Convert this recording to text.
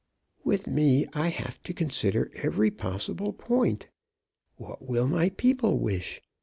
"With me, I have to consider every possible point. What will my people wish?